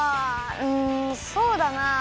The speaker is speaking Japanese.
うんそうだな。